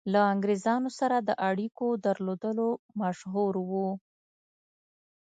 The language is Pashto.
له انګرېزانو سره د اړېکو درلودلو مشهور وو.